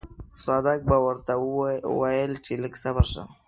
صدک به ورته ويل چې لږ صبر شه.